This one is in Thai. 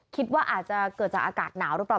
คิดว่าอาจจะเกิดจากอากาศหนาวหรือเปล่า